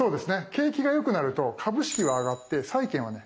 景気が良くなると株式は上がって債券はね